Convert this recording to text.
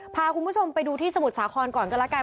พาคุณผู้ชมไปดูที่สมุทรสาครก่อนก็แล้วกัน